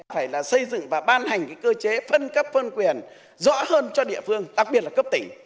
phải là xây dựng và ban hành cơ chế phân cấp phân quyền rõ hơn cho địa phương đặc biệt là cấp tỉnh